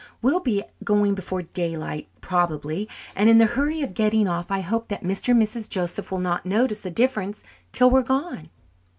We will be going before daylight, probably, and in the hurry of getting off I hope that Mr. and Mrs. Joseph will not notice the difference till we're gone."